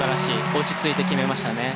落ち着いて決めましたね。